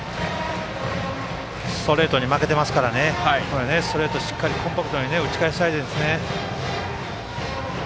ストレートに負けているのでしっかりコンパクトに打ち返したいですね。